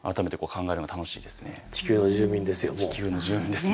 地球の住民ですよ